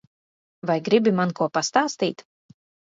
Vai gribi man ko pastāstīt?